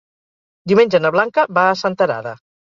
Diumenge na Blanca va a Senterada.